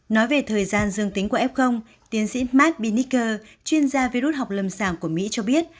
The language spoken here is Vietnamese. nói về thời gian dương tính của f tiến sĩ mart biniker chuyên gia virus học lâm sàng của mỹ cho biết